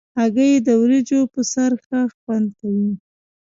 هګۍ د وریجو پر سر ښه خوند کوي.